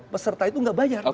peserta itu nggak bayar